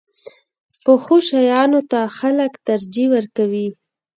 پخو شیانو ته خلک ترجیح ورکوي